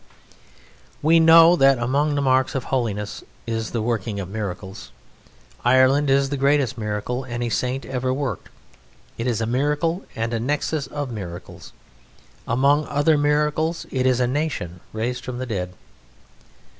We know that among the marks of holiness is the working of miracles. Ireland is the greatest miracle any saint ever worked. It is a miracle and a nexus of miracles. Among other miracles it is a nation raised from the dead.